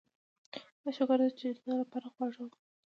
د شکر د ټیټیدو لپاره خواږه وخورئ